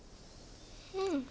うん。